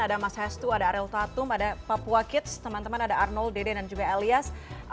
ada mas hestu ada ariel tatum ada papua kids teman teman ada arnold dede dan juga elias